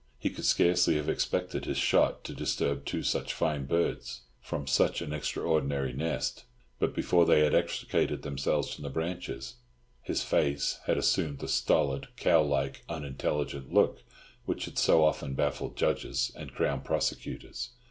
He could scarcely have expected his shot to disturb two such fine birds from such an extraordinary nest; but before they had extricated themselves from the branches his face had assumed the stolid, cow like, unintelligent look which had so often baffled judges and Crown Prosecutors.